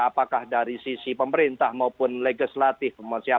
apakah dari sisi pemerintah maupun legislatif